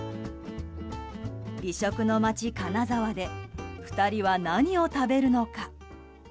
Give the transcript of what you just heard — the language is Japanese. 美食の街・金沢で２人は何を食べるのか。